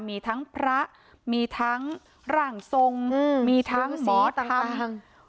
มีทั้งพระมีทั้งรังทรงมีทั้งหมอตหรือหัวทรีย์ต่าง